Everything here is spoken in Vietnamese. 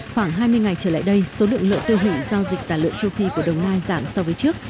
khoảng hai mươi ngày trở lại đây số lượng lợn tiêu hủy do dịch tả lợn châu phi của đồng nai giảm so với trước